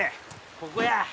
ここや。